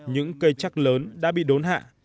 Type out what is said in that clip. những cây chắc lớn đã bị đốn hạ